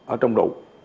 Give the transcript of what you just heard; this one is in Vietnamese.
ở trong rượu